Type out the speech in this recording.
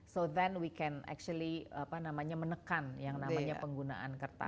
so than we can actually apa namanya menekan yang namanya penggunaan kertas